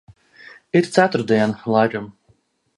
Ir ceturtdiena, laikam.